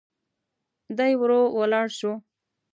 دی ورو ولاړ شو.